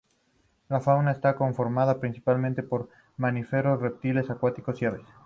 La fauna está conformada principalmente por mamíferos, reptiles acuáticos y aves.